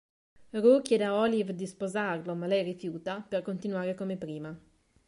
Roo chiede a Olive di sposarlo, ma lei rifiuta per continuare come prima.